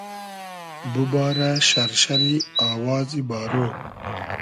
بوبارۂ شئرشئری آوازی بارۉ